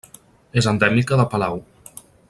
És endèmica de Palau.